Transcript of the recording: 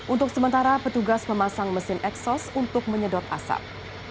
untuk sementara petugas memasang mesin eksos untuk menyedot asap